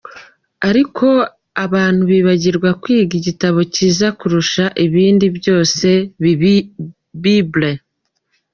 Ariko abantu bibagirwa kwiga igitabo cyiza kurusha ibindi byose:Bible.